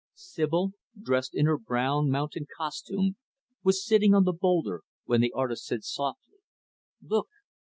Sibyl, dressed in her brown, mountain costume, was sitting on the boulder, when the artist said softly, "Look!"